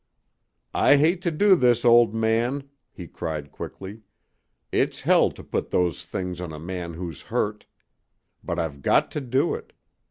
"I hate to do this, old man," he cried, quickly. "It's hell to put those things on a man who's hurt. But I've got to do it.